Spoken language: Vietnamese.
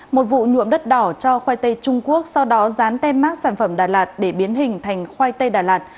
một vụ nhuộm đất đỏ cho khoai tây trung quốc sau đó dán tem mát sản phẩm đà lạt để biến hình thành khoai tây đà lạt